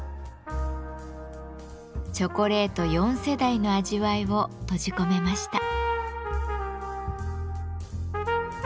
チョコレート４世代の味わいを閉じ込めました。